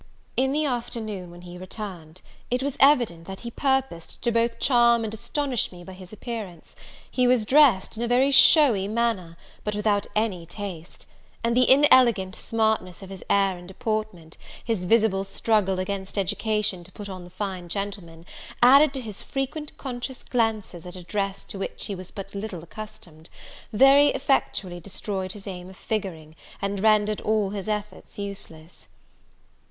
In the afternoon, when he returned, it was evident that he purposed to both charm and astonish me by his appearance: he was dressed in a very showy manner, but without any taste; and the inelegant smartness of his air and deportment, his visible struggle against education to put on the fine gentleman, added to his frequent conscious glances at a dress to which he was but little accustomed, very effectually destroyed his aim of figuring, and rendered all his efforts useless.